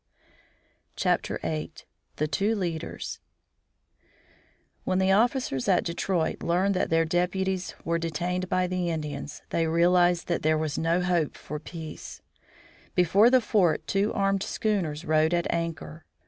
VIII. THE TWO LEADERS When the officers at Detroit learned that their deputies were detained by the Indians, they realized that there was no hope of peace. Before the fort two armed schooners rode at anchor.